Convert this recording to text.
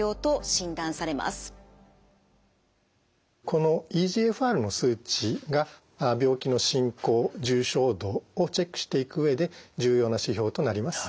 このｅＧＦＲの数値が病気の進行重症度をチェックしていく上で重要な指標となります。